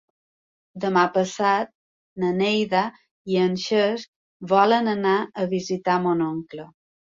Demà passat na Neida i en Cesc volen anar a visitar mon oncle.